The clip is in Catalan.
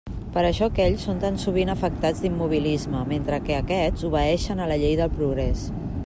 Per això aquells són tan sovint afectats d'immobilisme, mentre que aquests obeeixen a la llei del progrés.